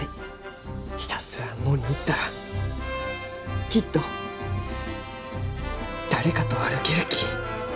ひたすら野に行ったらきっと誰かと歩けるき。